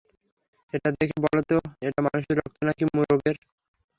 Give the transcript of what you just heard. এটা দেখে বলো তো এটা মানুষের রক্ত নাকি মুরগের।